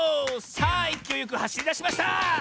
さあいきおいよくはしりだしました！